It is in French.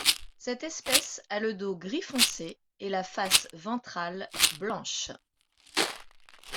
Cette espèce a le dos gris foncé et la face ventrale blanche.